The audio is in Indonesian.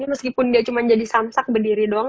meskipun dia cuma jadi samsak berdiri doang